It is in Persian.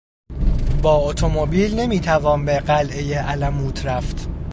با اتومبیل نمیتوان به قلعهی الموت رفت.